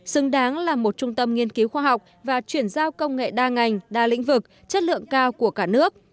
xứng đáng là một trung tâm nghiên cứu khoa học và chuyển giao công nghệ đa ngành đa lĩnh vực chất lượng cao của cả nước